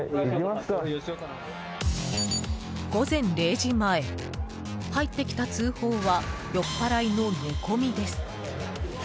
午前０時前、入ってきた通報は酔っ払いの寝込みです。